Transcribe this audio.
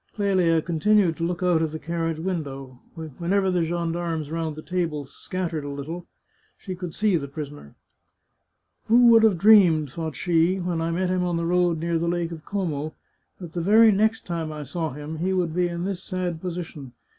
Clelia continued to look out of the carriage window. Whenever the gendarmes round the table scat tered a little she could see the prisoner. 276 The Chartreuse of Parma " Who would have dreamed," thought she, " when I met him on the road near the Lake of Como, that the very next time I saw him he would be in this sad position